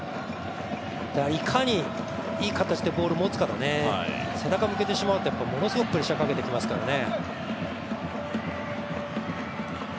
いかに、いい形でボール持つかだね背中向けてしまうとやっぱりものすごくプレッシャーかけてきますからね。